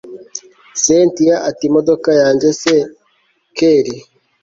cyntia ati imodoka yanjye se kelli